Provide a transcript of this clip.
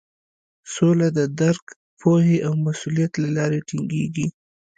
سوله د درک، پوهې او مسولیت له لارې ټینګیږي.